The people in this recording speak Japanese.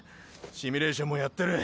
シミュレーションもやってる。